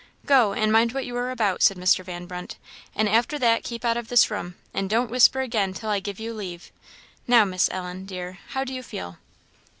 "Go, and mind what you are about," said Mr. Van Brunt; "and after that keep out of this room, and don't whisper again till I give you leave. Now, Miss Ellen, dear, how do you feel?"